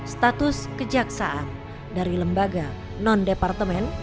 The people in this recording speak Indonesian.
status kejaksaan dari lembaga non departemen